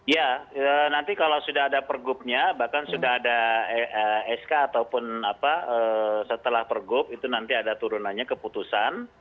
ya nanti kalau sudah ada pergubnya bahkan sudah ada sk ataupun apa setelah pergub itu nanti ada turunannya keputusan